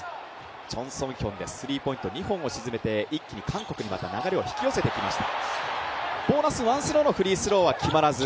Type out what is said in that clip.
チョン・ソンヒョン、スリーポイント一気に２本決めて一気に韓国に流れを引き寄せてきました。